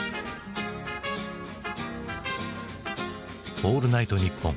「オールナイトニッポン」